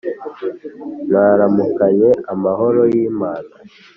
mwaramukanye amahoro y’imana"